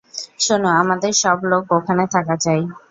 শোনো, আমাদের সব লোক ওখানে থাকা চাই।